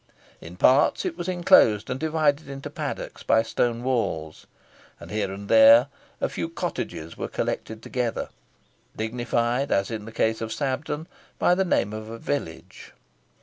In parts it was inclosed and divided into paddocks by stone walls, and here and there a few cottages were collected together, dignified, as in the case of Sabden, by the name of a village.